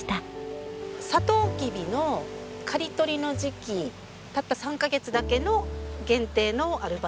サトウキビの刈り取りの時期たった３カ月だけの限定のアルバイト。